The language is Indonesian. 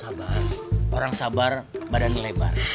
sabar orang sabar badan lebar